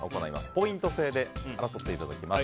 ポイント制で争ってもらいます。